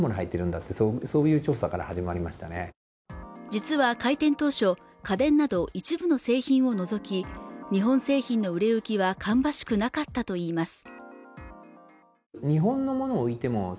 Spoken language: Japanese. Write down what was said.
実は開店当初家電など一部の製品を除き日本製品の売れ行きは芳しくなかったといいます